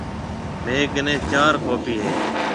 ميه ڪنَي چار ڪاپي هيَ۔